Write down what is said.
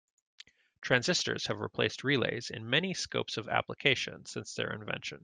Transistors have replaced relays in many scopes of application since their invention.